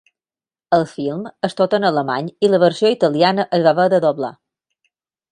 El film és tot en alemany i la versió italiana es va haver de doblar.